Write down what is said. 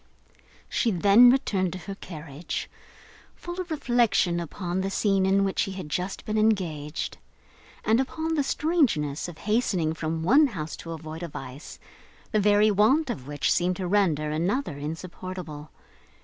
She then returned to her carriage: full of reflection upon the scene in which she had just been engaged, and upon the strangeness of hastening from one house to avoid a vice the very want of which seemed to render another insupportable!